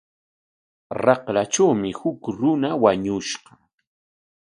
Raqratrawmi huk runa wañushqa.